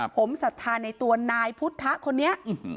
ผมศรัทธาในตัวนายพุทธคนนี้